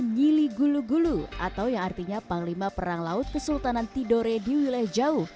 nyili gulu gulu atau yang artinya panglima perang laut kesultanan tidore di wilayah jauh